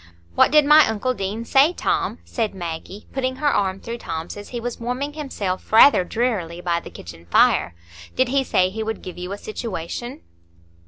"What did my Uncle Deane say, Tom?" said Maggie, putting her arm through Tom's as he was warming himself rather drearily by the kitchen fire. "Did he say he would give you a situation?"